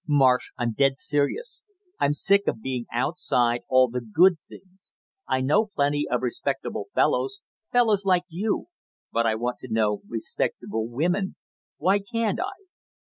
"Marsh, I'm dead serious; I'm sick of being outside all the good things. I know plenty of respectable fellows, fellows like you; but I want to know respectable women; why can't I?"